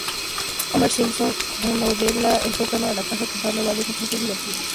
Homer Simpson remodela el sótano de la casa comprando varios objetos divertidos.